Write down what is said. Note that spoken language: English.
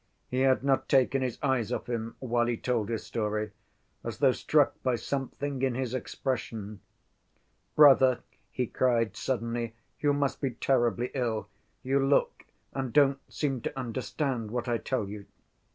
He had not taken his eyes off him while he told his story, as though struck by something in his expression. "Brother," he cried suddenly, "you must be terribly ill. You look and don't seem to understand what I tell you."